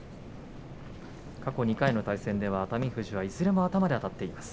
過去２回の対戦では熱海富士がいずれも頭であたっています。